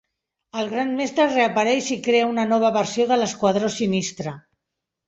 El Gran mestre reapareix i crea una nova versió de l'esquadró Sinistre.